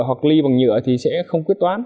hoặc ly bằng nhựa thì sẽ không quyết toán